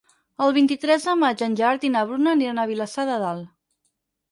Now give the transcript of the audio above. El vint-i-tres de maig en Gerard i na Bruna aniran a Vilassar de Dalt.